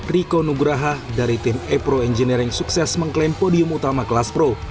riko nugraha dari tim e pro engineering sukses mengklaim podium utama kelas pro